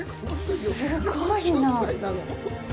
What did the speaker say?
すごいなぁ。